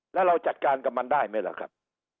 แล้วเราจัดการกับมันได้ไหมล่ะครับ